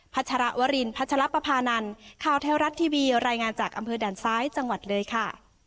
ชรวรินพัชรปภานันข่าวไทยรัฐทีวีรายงานจากอำเภอด่านซ้ายจังหวัดเลยค่ะ